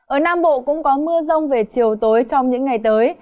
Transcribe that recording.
ở nam bộ cũng có mưa rông về chiều tối trong những ngày tới